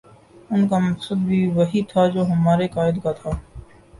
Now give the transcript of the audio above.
ان کا مقصد بھی وہی تھا جو ہمارے قاہد کا تھا